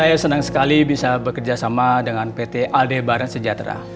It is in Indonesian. saya senang sekali bisa bekerja sama dengan pt aldebaran sejahtera